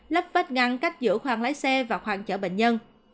lắp vết ngăn cách giữa khoang lái xe và khoang chở bệnh nhân